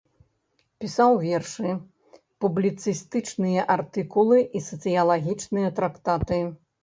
Пісаў вершы, публіцыстычныя артыкулы і сацыялагічныя трактаты.